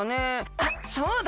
あっそうだ！